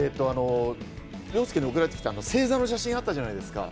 凌介に送られてきた星座の写真があったじゃないですか。